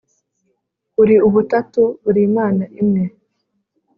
Uri Ubutatu uri Imana imwe